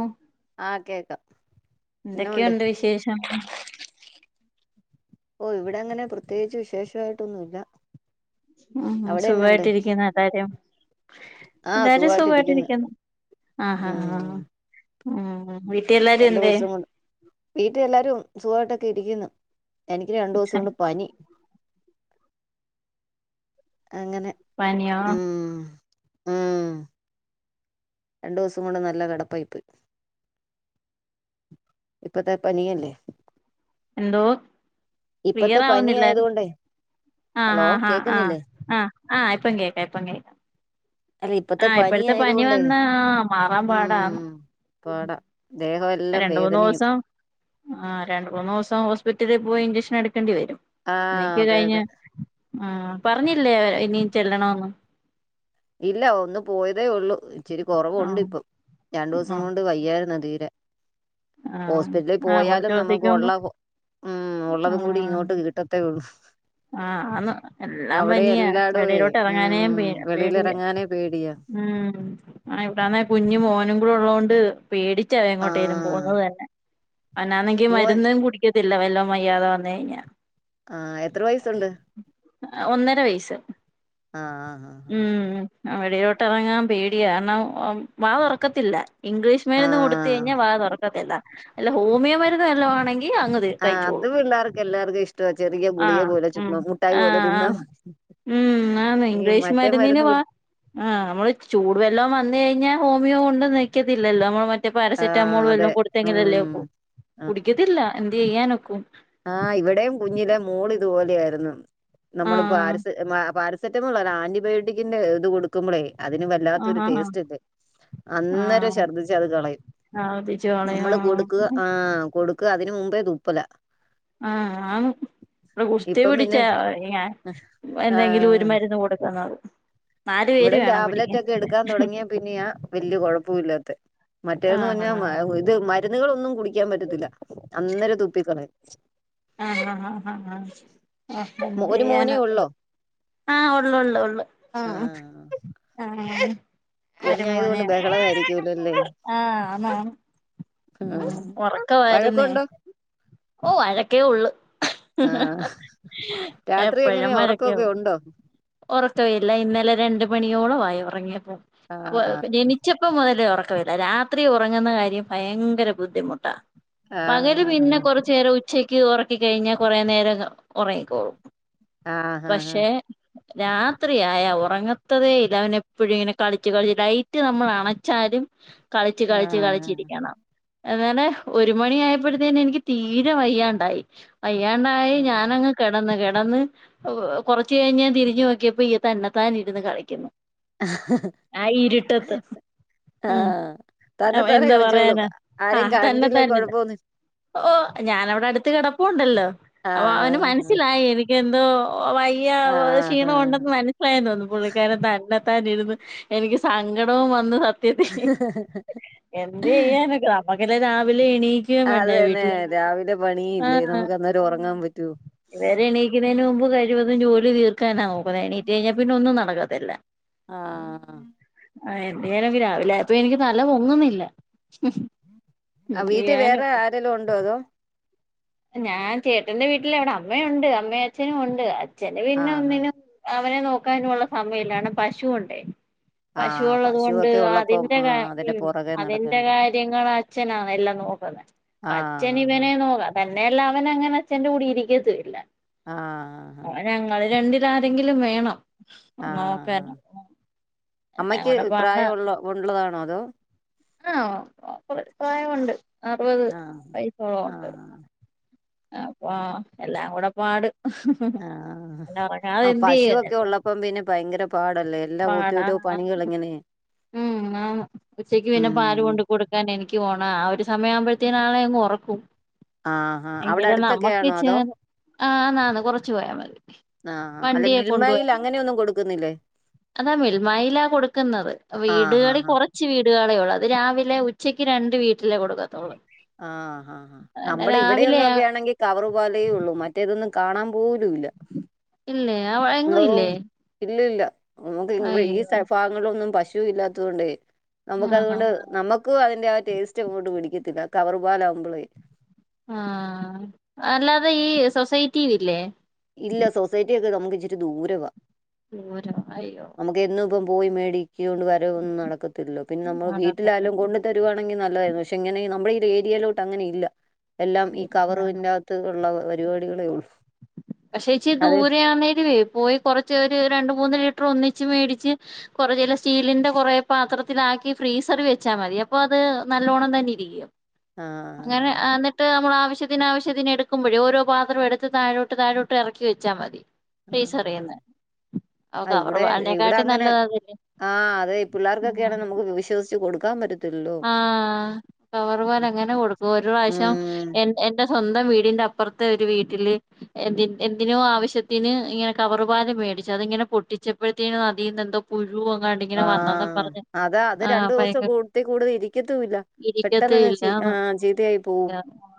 ആമ്മ് ആഹ് കേക്ക എന്തൊക്കെയുണ്ട് വിശേഷം ഓ ഇവിടെങ്ങനെ പ്രത്യേകിച്ച് വിശേഷമായിട്ടൊന്നുമില്ല മ്മ് മ്മ് സുഖായിട്ടിരിക്കുന്നോ എല്ലാരും എല്ലാരും സുഖായിട്ടിരിക്കുന്നു ആഹ് ആഹ് ഉം ആഹ് മ്മ് രണ്ടു ദിവസം കൊണ്ട് വീട്ടിൽ എല്ലാരും സുഖമായിട്ടൊക്കെ ഇരിക്കുന്നു എനിക്ക് രണ്ടു ദിവസം കൊണ്ട് പനി അങ്ങനെ പനിയോ ഉം ഉം രണ്ട് ദിവസം കൊണ്ട് നല്ല കിടപ്പായിപ്പോയി ഇപ്പത്തെ പനി അല്ലേ എന്തോ ക്ലിയർ പനി ആവുന്നില്ല ആയതുകൊണ്ടേ ആ ഹലോ ആ ആ കേക്കുന്നില്ലേ ആ ആ ആ ഇപ്പ കേക്കാം ഇപ്പ കേക്കാം അല്ല ഇപ്പത്തെ ആ ഇപ്പോഴത്തെ പനി ആയതുകൊണ്ടേ വന്ന ആ മാറാൻ പാടാന്ന് ഉം പാടാ ദേഹം എല്ലാം രണ്ട് മൂന്ന് വേദനയും ദിവസം ആ രണ്ട് മൂന്ന് ദിവസം ഹോസ്പിറ്റലിൽ പോയി ഇഞ്ചക്ഷൻ എടു ക്കേണ്ടി വരും ആഹ് എനിക്ക് അതെ കഴിഞ അതെ ആ പറഞ്ഞില്ലേ ഇനി ചെല്ലണം ന്ന് ഇല്ല ഒന്ന് പോയതേ ഉള്ളു ഇച്ചിരി കുറവുണ്ട് ആഹ് ഇപ്പം രണ്ടു ദിവസം ആഹ് കൊണ്ട് വയ്യാരുന്നു തീരെ ആഹ് ഹോസ്പിറ്റലിൽ ആഹ് കൊറച്ച് പോയാലും നമുക്ക് ദിവസത്തേക്ക് മുമ്പ് ഉള്ള ഉം ഉള്ളതും കൂടി ആഹ് ഇങ്ങോട്ട് കിട്ടത്തേ ഉള്ളു ആഹ് ആന്ന് എല്ലാം അവിടെ പനിയാ എല്ലാടേ വെളിയിലോട്ട് ഇറങ്ങാനേ പേ ഉംവെളിലെ പേടിയാ ഉം ആ ഇവിടന്ന കുഞ്ഞും മോനും കൂടെ ഉള്ളത് കൊണ്ട് പേടിച്ച ആ എങ്ങോട്ടേലും പോകുന്നത് തന്നെ അവനാണെങ്കി മോൻ മരുന്നും കുടിക്ക ഇല്ല വെല്ലോ വയ്യാതെ വന്ന് കഴിഞ്ഞ ആ എത്ര വയസുണ്ട് ഒന്നര വയസ്സ് ആ ആ ആ ആ ഉം വെളിയിലോട്ട് ഇറങ്ങാൻ പേടിയ കാരണം വാതൊറക്കത്തില്ല ഇംഗ്ലീഷ് ആ ആ മരുന്ന് കൊടുത്ത് കഴിഞ്ഞാൽ വാ തുറക്കത്തില്ല വല്ല ഹോമിയോ മരുന്ന് വല്ലവാണെങ്കിൽ ആ അത് പിള്ളേർക്ക് എല്ലാർക്കും ഇഷ്ടവാ ചെറിയ ഗുളിക ആഹ് പോലെ ഉം ചുമ്മ മുട്ടായി പോലെ ആഹ് തിന്നാ ആന്ന് മതി ഉം ആ ഈ ഇംഗ്ലീഷ് മറ്റേ മരുന്നിന് മരുന്ന് വാ കുടി ആ നമ്മള് ചൂട് വെല്ലം വന്ന് കഴിഞ്ഞാൽ ഹോമിയോ കൊണ്ട് നിക്കത്തില്ലല്ലോ നമ്മള് മറ്റേ മറ്റേ ആ പാരസെറ്റാമോൾ അതെ വല്ലോം കൊടുത്തെങ്കിലല്ലേ ഉം ഒക്കു ആ കുടിക്കത്തില്ല എന്ത് ചെയ്യാനൊക്കും ആ ഇവിടെയും കുഞ്ഞിലെ മോൾ ഇതുപോലെയായിരുന്നു നമ്മള് ആഹ് പാരസ്‌ പാര സറ്റ ആന്റിബയോട്ടിക്കിന്റെ ഇത് കൊടുക്കുമ്പോളേ അതിന് വല്ലാത്തൊരു ആഹ് ആഹ് ടേസ്റ്റ് ഇല്ലേ അന്നേരം ആഹ് ശഛർദ്ദിച്ച് അത് കളയും ആവർത്തിച്ചു കളയും നമ്മള് കൊടുക്കുക ആഹ് ആ കൊടുക്ക അതിന് മുമ്പേ തുപ്പല ആ ആന്ന് ഇ ഗുസ്തി ഇപ്പം പിടിച്ച പിന്നെ എന്തെങ്കിലും ഒരു മരുന്ന് കൊടുക്കുന്നത് നാലു പേര് ഇവിടെ വേണം ടാബ്‌ലെറ്റ് പിടിക്കാൻ ഒക്കെ എടുക്കാൻ തുടങ്ങിയാ പിന്നെയാ വലിയ കുഴപ്പവില്ലാത്തെ മറ്റേന്ന് ആഹ് പറഞ്ഞാൽമ ഇത് മ കളൊന്നും കുടിക്കാൻ പറ്റത്തില്ല അന്നേരം തൂപ്പിക്കളയും ആ ആ ആ ആ ആതെ എന്ത് ഒരു മോനേ ചെയ്യാനാ ഇപ്പം ഉള്ളോ ആ ഒള് ഒള്ളു ആ ആഹ് ആ ഒരു കുഞ്ഞായത് മോനെ കൊണ്ട് ബഹളമായിരിക്കൂലല്ലേ ഉള്ളൂ ആ അന്നോ ഉ ആഹ് ഉറക്കമായിരുന്നേ വഴക്കുണ്ടോ ഓ വഴക്കേ ഉള്ളു ആ രാത്രി എങ്ങനെ ഉറക്കമൊക്കെ ഉണ്ടോ ഉറക്കവില്ല ഇന്നലെ രണ്ട് മണിയോളം ആയി ഉറങ്ങിയപ്പൊ ആഹ് ജനിച്ചപ്പ മുതലേ ഉറക്ക രാത്രി ഉറങ്ങുന്ന കാര്യം ഭയങ്കര ബുദ്ധിമുട്ടാ പകല് ആഹ് പിന്നെ കൊറച്ച് നേരം ഉച്ചയ്ക്ക് ഉറക്കി കഴിഞ്ഞാൽ കൊറെ നേരം ഉറങ്ങിക്കോളും ആ ഹ ഹ രാത്രിയായ ഉറങ്ങത്തതേ ഇല്ല അവൻ എപ്പോഴും ഇങ്ങനെ കളിച്ച് കളിച്ച് ലൈറ്റ് നമ്മൾ അണച്ചാ കളിച്ച് കളിച്ച് കളിച്ച് ഇരിക്കണം അങ്ങനെ ഒരു മണി ആയപ്പഴ്ത്തേന് എനിക്ക് തീരെ വയ്യാണ്ടായി വയ്യാണ്ടായി ആഹ് ഞാനങ്ങ് കിടന്ന് കിടന്ന് കുറച്ച് കഴിഞ് തിരിഞ്ഞു നോക്കിയപ്പോ ഈ തന്നെത്താന ഇരുന്ന് കളിക്കുന്നു ആ ആ ഇരുട്ടത്ത് ആഹ ഉം തന്നെ തന്നെ എന്ത് കളിച്ചോളൂ പറയാനാ ആരേും ആഹ് കണ്ടില്ലേ തന്നെത്താൻ ഇരുന്ന് കൊഴപ്പമൊന്നു ഓ ഞാനവിടെ അടുത്ത് കിടപ്പുണ്ടല്ലോ അപ്പൊ അവന് ആഹ് മനസ്സിലായി എനി എന്തോ വലിയ ആഹ് ക്ഷീണമ ഉണ്ടെന്ന് മനസ്സിലായെന്ന് തോന്നുന്നു പുള്ളിക്കാരൻ തന്നെ ഇ എനിക്ക് സങ്കടവും വന്ന് എന്ത് ചെയ്യാന നമുക്കല്ല രാവില എണീക്ക വേണ്ട അത് തന്നെ വീട്ടില രാവിലെ ആ പണിയില്ലേ നമുക്ക് അന്നേരം ഒറങ്ങാൻ പറ്റോ ഇവരെ എണീക്കുന്നതിന് മുമ്പ് കാര്യമൊന്നും ജോലി തീർക്കാനാ നോക്കുന്നത് എണീറ്റ് കഴിഞ്ഞൽ പിന്നെ ഒന്നും നടക്കാത്തില്ല ആ ആ എന്റൊലംക്ക് രാവിലെ ആപ്പൊ എനിക്ക് തല പൊങ്ങുന്നില്ല ആഹ് ഉം വീട്ടിൽ വേറെ [unintelligible] ആരെലും ഉണ്ടോ അതോ ഞാൻ ചേട്ടന്റെ വീട്ടിൽ എവിടെ അമ്മയുണ്ട് അമ്മയും അച്ഛനും ഉണ്ട് അച്ഛന് പിന്നും ആഹ് അമ്മിനും നക്കാനുള്ള സമയല്ലാണ് പശുണ്ടേ ആഹ് പശുവള്ളത് കൊണ്ട് പശുവൊക്കെ ഉള്ളപ്പം അതിന്റെ ആഹ് ഉ അതിന്റെ പുറകെ അതിന്റെ നടക്കണ്ടേ കാര്യങ്ങൾ അച്ഛനാണ് എല്ലാം നോക്ക നോക്ക അൊ അച്ഛൻ ആഹ് ആഹ് ഇവനെ നോക്കാം തന്നെയല്ല അവന അങ്ങനെ അച്ഛന്റെ കൂടി ഇരിക്കത്ത ഇല്ല ആഹ ആഹ് ആഹ് ആരെങ്കിലും വേണംമ്മക്കല്ല ആഹ് ആഹ് അമ്മയ്ക്ക് പ്രായമ ഉള്ള ഉള്ളതാണോ അതോ ആഹ പ്രായമുണ്ട് അറുപത് ആഹ് പൈസോളം ഉണ്ട് ആഹ് അപ്പൊ എല്ലാം കൂടെ പാട് ആഹ് എല്ല പറക്ക ആ അതെന്ത് ചെയ്യ പശുവൊക്കെ ഉള്ളപ്പം പിന്നെ ഭയങ്കര പാടല്ലേ എല്ലാ ഒത്തിരോ പണികൾ എങ്ങനെയെ ഉം ആ ഉച്ചക്ക് പിന്നെ പാല് ഉം കൊണ്ട് കൊടുക്കാൻ എനിക്ക് പോണം ആ ഒരു സമയ ആവുമ്പഴ മത്തിയനാളെങ് ഉറക്കും ആഹ് ആഹ് അവിടെ എങ്കിലേ നമ്മുക്ക് അടുത്തൊക്കെയാണോ അതോ ആഹന്നാന്ന് കൊറച്ചു പോയാൽ മതി ആഹ് അല്ല വണ്ടിയെ കൊണ്ടു മിൽമയിൽ പോയാൽ മതി അങ്ങനെയൊന്നും കൊടുക്കുന്നില്ലേ അതാ മിൽമായിലാ കൊടുക്കുന്നത് ആഹ് വീടുകളിൽ ആഹ് കുറച്ച് വീടുകളെയള്ള ള്ള അത് രാവിലെ ഉച്ചക്ക് രണ്ട് വീട്ടിലേ കൊടുക്കാത്തള്ളൂ ആഹ ആ നമ്മുടെ ഇവിടെന്ന ഒക്കെ ആണെങ്കിൽ കവറ് പോലെയേ ഉള്ളൂ മറ്റേതൊന്നും കാണാൻ പോലൂല്ല അല്ലേ ആ വഴങ്ങയില്ലേ ഇല്ലില്ല നമുക്ക് ഈ ഭാഗങ്ങളിലൊന്നും പശു ഇല്ലാത്തത് കൊണ്ട് നമുക്ക് ആഹ് അതുകൊണ്ട് നമ്മക്കും അതിന്റെ ആ ടേസ്റ്റ് അങ്ങോട്ട് പിടിക്കത്തില്ല കവർുപാലാവുമ്പളേ ആഹ് ീവല്ലേ ഇല്ല സൊസൈറ്റി ഒക്കെ നമുക്ക് ഇച്ചിട്ട ദൂരവാ രാ അയ്യോ നമുക്ക് എന്നും ഇപ്പം പോയി മേടിക്ക കൊൊണ്ട് വര ഒന്ന നടക്ക തല്ലോ പിന്നെ നമ്മൾ അതൊക്കെ വീട്ടിലൊലും തന്നെ കൊു തരുുകവാണെങ്കിൽ നല്ലതായിരുന്നു പക്ഷെ ഇങ്ങനെ നമ്മുടെ ഈ രിയയിലോട്ട് അങ്ങനെ ഇല്ല എല്ലാം ഈ കവർ ഇ്കത്ത ഉള്ള പരിപാടികളേ ഉള്ളൂ പക്ഷെ ചച്ചി അത് ദൂരെ ആണേല്േ പോയി കുറച്ച് ഒരു രണ്ട മൂന്ന ര അ ത് നല്ലോണ്ണം തന്നെ ഇരിക്കും ആ അങ്ങനെ എന്നിട്ട് നമ്മൾ ആവശ്യത്തിനന് ആവശ്യത്തിന് എടുക്കുമ്പോഴേ ഓരോ പാത്രം എടുത്ത് താഴോ താഴോട്ട് ഇറക്കി വെച്ചാൽ മതി ആ േസ്റിയുന്ന ആ ആ ഇവിടെ ഇവിടെ അങ്ങനെ ആ് അതെ പിള്ളേർക്കൊക്കെയാണ് നമുക്ക് വിശ്വ കൊടുക്കാ മ ആഹ കവർ പോല എങ്ങനെ കൊടുക്കും ഒരു പ്രാവശ്യം ഉം എ എൻറെ സ്വന്ത വീടിന്റെ അപ്പുറത്തെ ഒരു വീട്ടില് എ എന്തിനോ ആവശ്യത്തിന് ഇങ്ങനെ കവറുപാാല മേടിച്ച അതിങ്ങന പൊിച്ചപ്പോഴത്തേ അീന്ന് എന്തോ എങ്ങാണ്ട് ഇങ്ങനെ വന്നെന്നും ആഹ പറഞ്ഞ് അത അത് ആഹ് രണ്ടു ദിവസം ഭയങ്കര കൂടുത്തി കൂടുത ഇരിക്ക ക്ക്യത്തുല്ല പെട്ടെന്ന് ഇരിക്കത്തേ അങ്ങ് ചി ഇല്ലാന്ന് ആഹ് ചീതയായി പോവും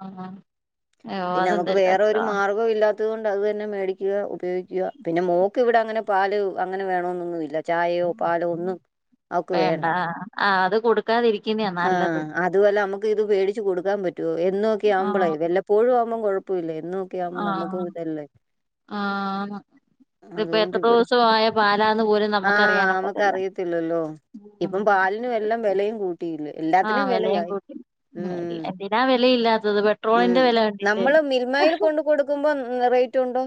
ആഹ് അയ്യോ പിന്നെ നമുക്ക് അതെന്തൊരു വേറെരു കഷ്ടവാ മാർഗം ഇല്ലാത്ത അതുകൊണ്ട് അത് തന്നെ മേടിക്കുക ഉപയോഗിക്കുക പിന്നെ മോക്ക് ഇവിടെ അങ്ങനെ പാ അങ്ങനെ വേണെന്നൊന്നുമില്ല ചായയോ പാല് ഒന്ന് വേണ്ട അഹ് ആഹ് അത് കൊടു ആഹ് അതുപല്ലെ നമുക്ക് ഇത് പേടിച്ചച്ച് കൊടുക്കാൻ പറ്റോ എന്നുംക്കെ ആവുമ്പോളേ ആഹ് വല്ലപ്പോഴും ആവുമ്പ ഒന്നുംകൊഴപ്പ ഇില്ല എന്ന നോക്കിയാകുമ്പോൾ നമുക്ക ആഹ് ഇതല്ലേ ആന്ന് ഇതിപ്പോ അതുകൊണ്ട് എത്ര ഇവിടെ ദിവസം ആയ പാലാന്ന് പോലും ആഹ് നമുക്ക് നമുക്കറിയാനൊക്കത്തില്ല അറിയത്തില്ലല്ലോ ഇപ്പം പാലിനും ഉം എല്ലാം വിലയും കൂട്ടിയില്ല എല്ലാത്തിനും ആഹ് വെലയും വിലയായി കൂട്ടി ഉം എന്തിനാ വെലയില്ലാത്തത് ഉം പെട്രോളിന്റെ വെല കണ്ടില്ലേ നമ്മള ഇ മയേൽ കൊണ്ട് കൊടുക്കുമ്പോ റേറ്റ് ഉണ്ടോ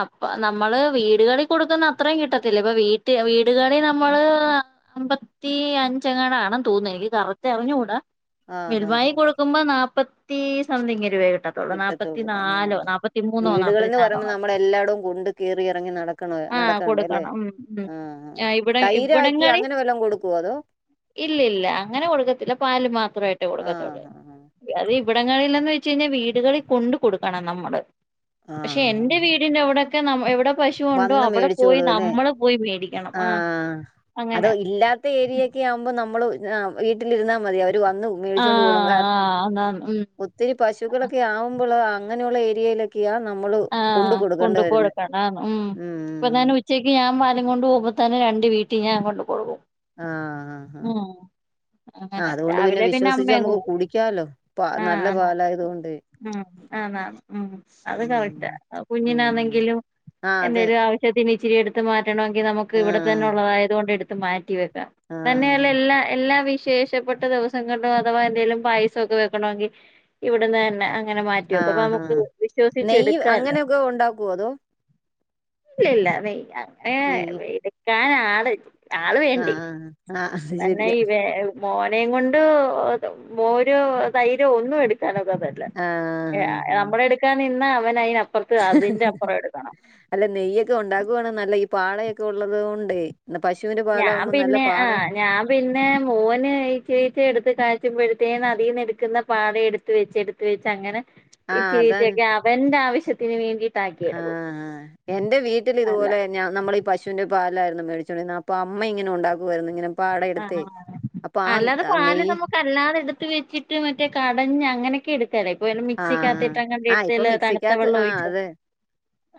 അപ്പ നമ്മള് വീടുകളി കൊടുക്കുന്ന അത്രയും കിട്ടത്തില്ല ഇപ്പ വീ വീടുകളി നമ്മള് അമ്പത്തി അഞ്ചെങ്ങാടാണ തോന്നുന്നു എനിക്ക് കറക്റ്റ് അറിനുണ്ട ആഹ് ആഹ് മിൽവായി ആഹ് കൊടുക്കുമ്പോ നാല്പ്പത്തി സംതിങ് രൂപ കി ട്ടത്തൊള്ളു നാല്പ്പത്തി കിട്ടത്തുള്ളൂ നാലോ ആഹ് നാപ്പത്തി മൂന്നോ നാല്പ്പത്തി നാലോ ടോം കൊണ്ട് കയറിയിറങ്ങി നടക് ആഹ് നടക്കണണ്ട അല്ലേ കൊടുക്കണം ഉം ഉം ആഹ് തൈരാ ആക്കി അങ്ങനെ വല്ലം കൊടുക്കുവോ അതോ ഇല്ല ഇല്ല അങ്ങനെ കൊടുക്കത്തില്ല പാല് മാത്രമായിട്ട് ആ കൊടുക്കത്തുള്ളൂ ആ അത് ഇവിടങ്ങളിൽന്ന് വെ ക്കിന്ന് വീടുകളിൽ കൊണ്ടു കൊടുക്കണം നമ്മള് ആ പക്ഷെ ആ എന്റെ വീടിന്റെ അവിടെക്കെ ന എവിടെ പശുവുണ്ടോ വന്ന് അവിടെ പോയി മേടിച്ചോളൂ അല്ലേ നമ്മള് പോയി വേടിക്കണം ആ ആഹ് അത് അങ്ങനെ ഇല്ലാത്ത ഏരിയെക്കെ ആവുമ്പോ നമ്മളു ആഹ് വീട്ടിലിരുന്നാ മതി അവര് ട്ടു വന്ന് ആഹ് മേടിച്ചോണ്ട് പോണം കാർ ആഹ് അന്നാന്ന് ഉം ഒത്തിരി പശുക്കളൊക്കെ ആവുമ്പളവാ അങ്ങനെയുള്ള ഏരിയയിലൊക്കെയാ നമ്മള് കണ്ട് ആഹ് കൊടുക്കെണ്ട് കൊണ്ട് വരുന്നെ കൊടുക്കണം ആന്ന് ഉം ഇപ്പൊ ഉം തന്നെ ഉച്ചക്ക് ഞാൻ പാലും കൊണ്ട് പോവുമ്പോ തന്നെ രണ്ട് വീട്ടി ഞാൻ കൊണ്ട് കൊടുക്കും ആഹ് ആഹ് ഉം ആഹ് അങ്ങനെ അതുകൊണ്ട് പിന്നെ രാവിലെ വിശ്വസിച്ചച്ച് അമ്മയങ്ങ് നമ്മുക്ക് പോവും കുടിക്കാലോ പ ആഹ് നല്ല ആന്നാന്ന് പാലായതുകൊണ്ട് ഉം ആന്ന് ആന്ന് ഉം അത് ഉം കറ റ്റാ ഉം കുഞ്ഞിനാനെങ്കിലും ആ അതെ എന്തേലും ആവശ്യത്തിന് ഇച്ചിരി എടുത്ത് മാ റ്റണോങ്കി നമുക്ക് ആ ഇവിടെ തന്നെ ഉള്ളതായതൊണ്ട് എടുത്ത് മാറ്റി വെക്കാം ആ തന്നെയല്ലാ എല്ലാ എല്ലാ വിശേഷ് ഷപ്പെട്ട ദിവസങ്ങളിലോ അഥവാ എന്തേലും പായസവൊക്കെ വെക്കണോങ്കി ഇവിടുന്ന് തന്നെ അ ങ്ങനെ ആ മാറ്റിവെക്കും അപ്പോ ആ നമുക്ക് വിശ്വസിച്ചെട് നെയ്യ് അങ്ങനെയൊക്കെ ഉണ്ടാക്കുവോ അതോ ഇല്ല നെയ്യ് അങ്ങനേ നെയ്യ് വേടുക്കാൻ ആള് ആള് ആ വേണ്ടേ ആ ആ അത് ശരിയാ തന്നെയ്‌ വേവ് മോനെയും കൊണ്ട് മോരോ തൈരോ ഒന്നും എടുക്കാനൊ [unintelligible] ആ ആ ഏഹ് ആ. അമ്മള് എടുക്കാൻ നിന്ന അവനയിന അല്ല നെയ്യൊക്കെ ഉണ്ടാക്കുവാണ് നല്ലെ ഈ പാളയൊക്കെ ഉള്ളത് കൊണ്ടേ ഇന്ന് പശുവിന്റെ ഞാൻ പാലാകുമ്പോ നല്ല പിന്നെ പാട ആഹ് ഞാൻ പിന്നെ മോന് ഇച്ചിരിയിച്ചെ എടുത്ത് കാ ച്ചുമ്പഴത്തേന് അതീന്നെടുക്കുന്ന പാട എടുത്ത് വെച്ച് എടുത്ത് വെച്ച് അങ്ങനെ ആ ഇച്ചിരിയിച്ചിരിയൊക്കെ അവന്റെ ആവശ്യത്തിന് വേണ്ടി ആഹ് എന്റെ വീട്ടിൽ അല്ല ഇതുപോലെന്നെ ഞ നമ്മളീ പശൂന്റെ പലായിരുന്നു മേടിച്ചോണ്ടിരുന്നേ അപ്പോ അമ്മ ഇങ്ങനെ ഉണ്ടാക്കുവായിരുന്നു ഇങ്ങനെ പാട ആഹ് എടുത്തേ അപ്പൊ ഹാ ആ അല്ലാതെ ആ പാല് നെയ്യ് നമ്മുക്ക് അല്ലാതെ എടുത്ത് വെച്ചിട്ട് മറ്റേ കടഞ്ഞ് അങ്ങനെ തെരക്ക് വരുമ്പോ ആ മിക്സിക്കകത്തിട്ട് അങ്ങാണ്ട് ആ ആ ഇപ്പൊ ഇടല് തണുത്ത മിക്സിക്കകത്ത് വെള്ളം ആ ഒഴിച്ചോ അതെ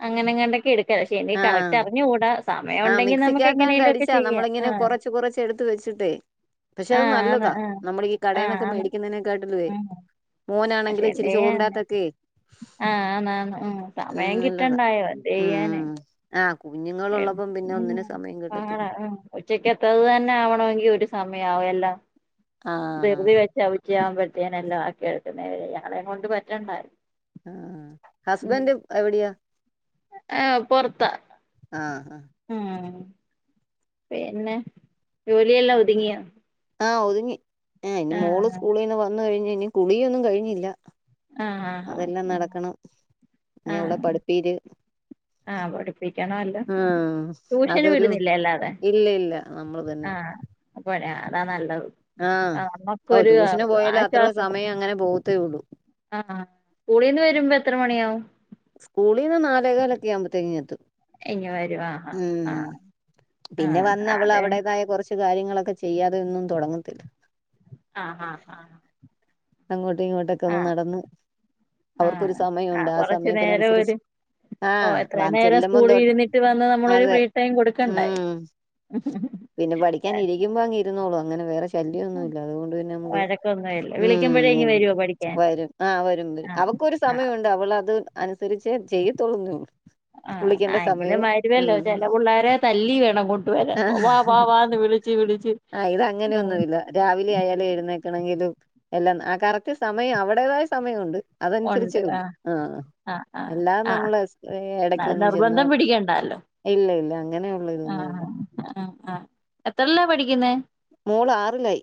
അങ്ങനെങ്ങാണ്ടക്കെ എട് ക്ക് ക്ഷെ എനിക്ക് ആ കറക്റ്റ് അറിഞ്ഞ് കൂടാ ആഹ് മിക്സിക്കാത്താണ്ട് അടിച്ചാ നമ്മള് ഇങ്ങനെ ആഹ് കൊറച്ച് കൊറച്ച് എടുത്ത് വെച്ച് ട്ടിട്ടേ പക്ഷെ അത് ആഹ് ആണ് നല്ലതാ ആഹ് നമ്മുടെ ഈ ആഹ് കടയിന്നൊക്കെ ആണ് മേടിക്കുന്നതിനെക്കാട്ടിലുവേ ഉം പക്ഷെ മോനാണെങ്കിലും ഇച്ചിരി എന്തെയ്യാൻ ചോറിന്റാത്തൊക്കെ ആഹ് ആന്ന് ആന്ന് ഉം സമയം നല്ലതാ കിട്ടണ്ടായോ എന്ത് ചെയ്യാന് കുഞ്ഞുങ്ങളോള്ള ഉ ആ ഉച്ചക്ക് എത്തത് തന്നെ ആവണെങ്കിൽ ഒരു സമയംവും എല്ലാം ആഹ് ആഹ് ചെറുതി വെച്ച ഉച്ച ആവുമ്പോഴത്തേന എല്ലാം ആക്കി എടുക്കുന്ന ഞങ്ങളെ കൊണ്ട് പറ്റണ്ടായിരുന്നു [unintelligible] ആ ഹസ്ബൻറ്് എവിടെയാാ ആഹ് പൊറത്താ ആഹ് ആഹ് ആം പിന്നെ ജോലിയെല്ലാം ഒതുങ്ങിയോ ആഹ് ഒതുങ്ങി ആ ഇ മോള് ആഹ് സ്കൂളിൽ നിന്ന് വന്നു കഴിഞ്ഞഞ് ഇനി കുളിയൊന്നും കഴിഞ്ഞില്ല ആഹ് ആഹ് അതെല്ലാം ആഹ് നടക്കണം നീ അവളെ പഠിപ്പീര് ആഹ പഠിപ്പിക്കണലോ അല്ലോ ഉം ട്യൂഷന് അതൊരു വിടുന്നില്ലേ അല്ലാതെ ഇല്ല ഇല്ല നമ്മള് ആഹ അപ്പടിയാ അതാ നല്ലതത് ആഹ ഓ ട്യൂഷന് പോയാലേ അത്രയോ ആശ്വാസം സമയം അങ്ങനെ പോകത്തേ ഉള്ളൂ ആഹ് സ്ൂളീന്ന് വരുമ്പോ എത്ര മണിയാാവും സ്കൂളിൽ നിന്ന് നാലേ കാലൊകലൊക്കെ ആവുബോതിനും എത്തും എനി വ ഉം പിന്നെ വന്ന് ആ അവള് അതെ അവിടേതായ കുറച്ച് കാര്യങ്ങളൊക്കെ ചെയ്യാതെ ഒന്നും തുടങ്ങത്തില്ല അ ആ ആ അങ്ങോട്ടും ഇങ്ങോട്ടൊക്കെ ഒന്ന് നടന്ന് അവർക്കൊരു സമയമുണ്ട് ആ കൊറച്ചു നേരം ഒരു സമയത്തിനനുസരിച്ച് ആ ഓ എത്ര വാ നേരം ചെല്ലുമ്പോ സ്കൂളിൽ തൊട്ട് ഇരുന്നിട്ട് വന്ന് നമ്മളൊരു അതെ ഫ്രീ ടൈം കൊടുക്കണ്ടേ ഉം പിന്നെ പഠിക്കാൻ ഇരിക്കുമ്പോ അങ്ങ ഇരുന്നോളു അങ്ങനെ വേറെ ശല്യ ഒന്നുല്ല അതുകൊണ്ട് പിന്നെ നമുക്ക് വഴക്കൊന്നുമില്ല വിളിക്കുമ്പോഴേ ഉം ഇ ഇങ്ങ് വരുവോ പഠിക്കാൻ വരും ആ വരും വരും ആ അവക്കൊരു ആ സമയുണ്ട് അവളത് അനു തരിച്ചേ ചെയ്യതൊള്ളുന്നൊള്ളു ആ ആയെങ്കിലും വരുവല്ലോ ചെല പിള്ളേരെ തല്ലി വേണം കൊണ്ടു വരാൻ വ ആഹ് വാവാന്ന് വി വിളിച്ച് വിളിച്ച് ആഹ് ഇത് ആ അങ്ങനെയൊന്നുമില്ല രാവിലെ ആയാലും എഴുന്നേക്കണെങ്കിലും എല്ലാം ആ കറക്റ്റ് സമയം അവിടേതായ സമയം ഉണ്ട് അതനുസരിച്ച് ആ ആ ആ അല്ലാതെ ആ നമ്മള് എന്നാലും എടക്കൊന്നും ചെന്ന് നിർബന്ധം പിടിക്കണ്ടല്ലോ ഇല്ല ഇല്ല അങ്ങനെയ ഉള്ള ഇതൊന്നും ഇല്ല അ ആ എത്രല്ലാ പഠിക്കുന്നെ മോള് ആറിലായി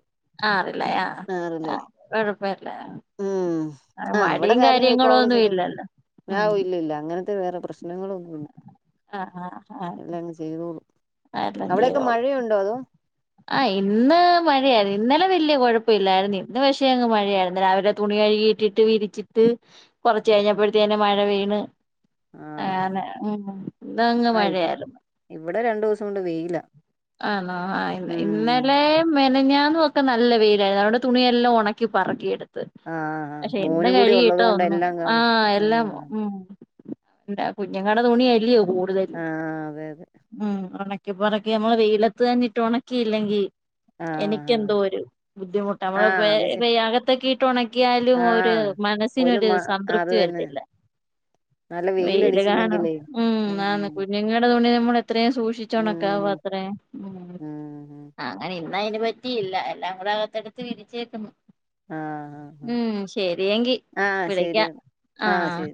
ആറില്ലേ ആ അ ആറിലായി [unintelligible] ഉം ആ അവിടെ മടിയും കാര്യങ്ങൾ ഇപ്പൊ അവള് കാര്യങ്ങളൊന്നും ചെയ്തോളും ഇല്ലല്ലോ ഉം ഞാവല്ലില്ല അങ്ങനെ ത് വേറെ പ്രശ്നങ്ങളൊന്നു ആഹ് ആഹ് ആഹ് എല്ലാങ്ങ് ചെയ്തോളും അവിടെക്കെ മഴയുണ്ടോ അതോ അ ഇന്ന് മഴയായി ഇന്നലെ വല്യ കുഴപ്പില്ലായിരുന്നു ഇന്ന് പക്ഷേ അങ്ങ് മഴയായിരുന്ന് രാവിലെ തുണി കഴികിട്ടിട്ട് വിരിച്ചിട്ട് കുറച്ച് കഴിഞ്ഞപ്പോഴത്തേ തന്നെ മഴ പെയ്ണ് ആഹ് ആനെ ഉം ഇന്ന് അങ്ങ് ആഹ് ഇവ മഴയായിരുന്നു ഇവിടെ രണ്ടൂസം കൊണ്ട് വെയില ആണോ ആ ഇന്ന് ഇന്നലെ മെനഞ്ഞാന്നും ഒക്കെ നല്ല വെയിൽആയിരുന്ന് അതുകൊണ്ട് തുണിയെല്ലാം ഒണക്കി പറക്കിയെട് ത് ആഹ് പക്ഷെ ഇന്ന് മോനും കൂടി കഴുകിട്ട ഉള്ളത് കൊണ്ട് ഒന്നും എല്ലാം ആ കാണും എല്ലാം ആഹ് ഉം എന്താ കുഞ്ഞങ്ങടെ തുണിയല്ലയോ കൂടുതല് ആഹ് അതെ അതെ ഉം ഒണ ക്കെ പുറക്കെ നമ്മൾ വെയിലത്ത് തന്നെയിട്ട് ഉണക്കയില്ലെങ്കി ആഹ് എനിക്കെന്തോ ഒരു ബുദ്ധിമുട്ട് അമ്മള് ആഹ് പേ അത് ശ പേ അകത്തേക്കെ ഇട്ട് ഒണ ക്കിയാലും ഒരു ആഹ് ഒരു മനസ്സിനൊരു മ അത് സംതൃപ്തി തന്നെ വരത്തില്ല നല്ല വെയിൽ കാണോ വെയിലടിച്ചില്ലെങ്കിലേ ഉം ആണ് കുഞ്ഞുങ്ങടെ തുണി നമ്മള എത്രയും സൂക്ഷിച്ച് ഒണക്കാവ ഉം അത്ര ഉം അങ്ങനെ ന്നാ അയിന് പറ്റിയില്ല എല്ലാം കൂടെ അകത്തെടുത്ത് വിരിച്ചേക്കുന്നു ആഹ് ആഹ് ഉം ശരിയെങ്കി ആഹ് വിളക്ക ശരിയെന്നാ ആ ആഹ് ശരി